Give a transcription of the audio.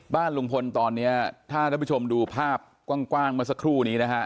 บ้านลุงพลตอนนี้ถ้าท่านผู้ชมดูภาพกว้างเมื่อสักครู่นี้นะฮะ